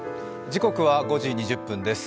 時刻は５時２０分です。